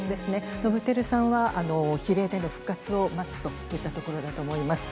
伸晃さんは比例での復活を待つといったところだと思います。